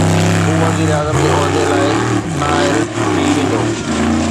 هو وزيراعظم جي عهدي لاءِ نااهل ٿي ويندو.